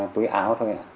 túi áo thôi ạ